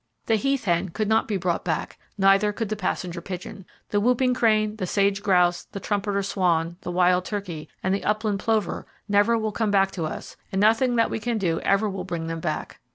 The heath hen could not be brought back, neither could the passenger pigeon. The whooping crane, the sage grouse, the trumpeter swan, the wild turkey, and the upland plover never will come back to us, and nothing that we can do ever will bring them back.